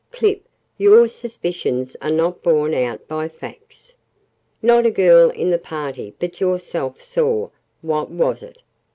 Clip, your suspicions are not borne out by facts. Not a girl in the party but yourself saw what was it?